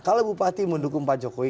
kalau bupati mendukung pak jokowi